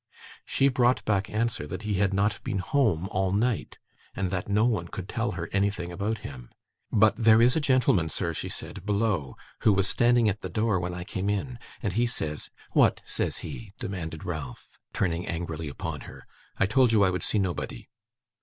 She brought back answer that he had not been home all night, and that no one could tell her anything about him. 'But there is a gentleman, sir,' she said, 'below, who was standing at the door when I came in, and he says ' 'What says he?' demanded Ralph, turning angrily upon her. 'I told you I would see nobody.